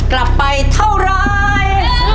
กลับไปเท่าไร